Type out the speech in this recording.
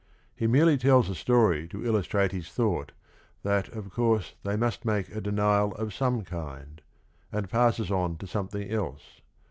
He merely tells a story to illustrate his thought that of course they must make a denial of some kind, and passes on to something else.